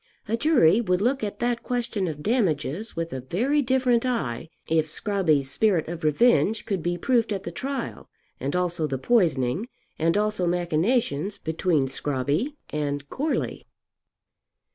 A jury would look at that question of damages with a very different eye if Scrobby's spirit of revenge could be proved at the trial, and also the poisoning, and also machinations between Scrobby and Goarly.